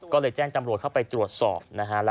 ก็เลยแจ้งจำรวจเข้าไปตรวจสอบนะฮะ